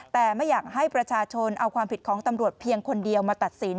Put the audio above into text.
แต่ไม่อยากให้ประชาชนเอาความผิดของตำรวจเพียงคนเดียวมาตัดสิน